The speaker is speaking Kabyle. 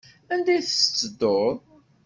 Anda ay tettedduḍ?